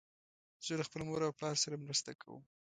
زه له خپل مور او پلار سره مرسته کوم.